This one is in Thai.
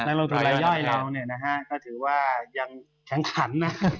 นักลงทุนระย่อยแล้วเนี่ยนะฮะก็ถือว่ายังแข็งขันนะฮะ